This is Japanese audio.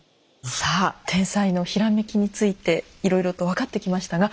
さあ天才のひらめきについていろいろと分かってきましたが